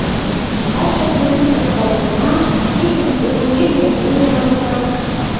Таче тудым сӧрвалена, тидым пу, тудым пу, манына.